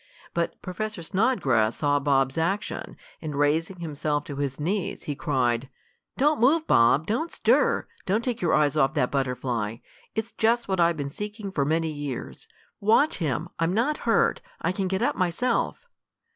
But Professor Snodgrass saw Bob's action, and raising himself to his knees, he cried: "Don't move, Bob! Don't stir! Don't take your eyes off that butterfly. It's just what I've been seeking for many years. Watch him! I'm not hurt. I can get up myself."